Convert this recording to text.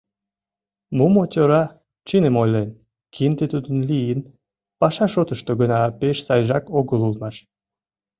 Мумо-тӧра чыным ойлен: кинде тудын лийын, паша шотышто гына пеш сайжак огыл улмаш.